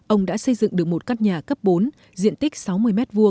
ông đã xây dựng được một căn nhà cấp bốn diện tích sáu mươi m hai